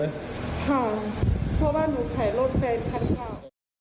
ค่ะเพราะว่าหนูขายรถเป็นทั้งข่าว